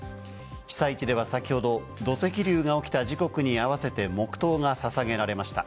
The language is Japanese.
被災地では先ほど、土石流が起きた時刻に合わせて黙とうが捧げられました。